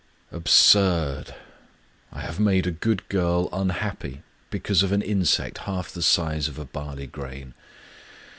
Absurd! ... I have made a good girl un happy because of an insect half the size of a barley grain